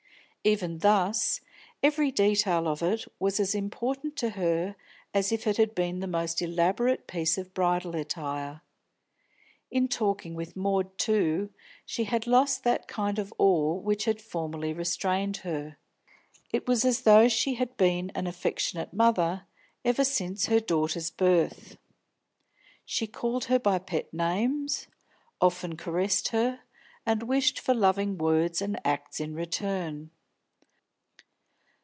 Even thus, every detail of it was as important to her as if it had been the most elaborate piece of bridal attire. In talking with Maud, too, she had lost that kind of awe which had formerly restrained her; it was as though she had been an affectionate mother ever since her daughter's birth. She called her by pet names, often caressed her, and wished for loving words and acts in return.